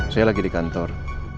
saya lagi di kantor